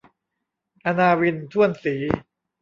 อณาวิน ถ้วนศรี